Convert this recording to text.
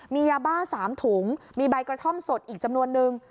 มียาบ้า๓ถุงมีใบกระท่อมสดอีกจำนวนนึง